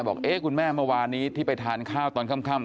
คุณแม่เมื่อวานนี้ที่ไปทานข้าวตอนค่ำ